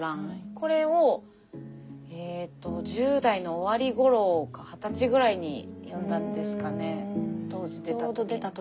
これをえっと１０代の終わりごろか二十歳ぐらいに読んだんですかね当時出た時。